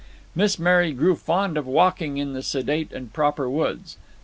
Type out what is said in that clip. Miss Mary grew fond of walking in the sedate and proper woods.